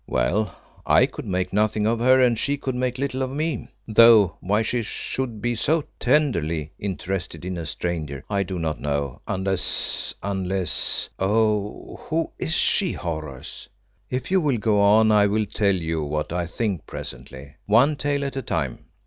"Well, I could make nothing of her, and she could make little of me, though why she should be so tenderly interested in a stranger, I don't know unless, unless oh! who is she, Horace?" "If you will go on I will tell you what I think presently. One tale at a time."